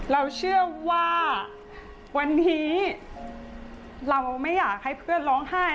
เราเชื่อว่าวันนี้เราไม่อยากให้เพื่อนร้องไห้